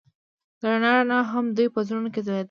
د رڼا رڼا هم د دوی په زړونو کې ځلېده.